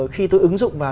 khi tôi ứng dụng vào